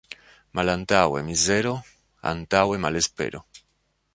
Malantaŭe mizero, antaŭe malespero.